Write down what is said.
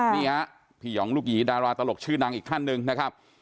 นี่พี่หย่องลูกหญี่ดาราตลกชื่อนางอีกขั้นนึงนะครับ